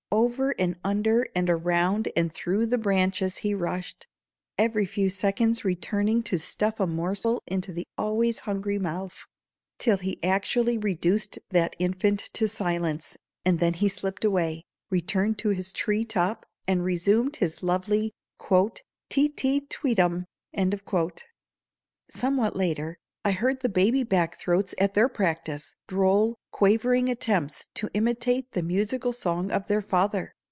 Over and under and around and through the branches he rushed, every few seconds returning to stuff a morsel into the always hungry mouth, till he actually reduced that infant to silence, and then he slipped away, returned to his tree top, and resumed his lovely "tee tee tweetum!" Somewhat later I heard the baby black throats at their practice, droll, quavering attempts to imitate the musical song of their father.